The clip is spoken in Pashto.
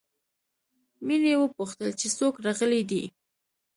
مينې وپوښتل چې څوک راغلي دي